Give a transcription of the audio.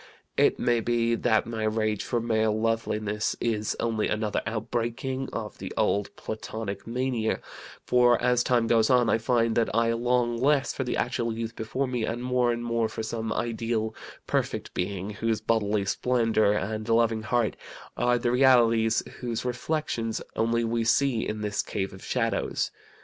It may be that my rage for male loveliness is only another outbreaking of the old Platonic mania, for as time goes on I find that I long less for the actual youth before me, and more and more for some ideal, perfect being whose bodily splendor and loving heart are the realities whose reflections only we see in this cave of shadows.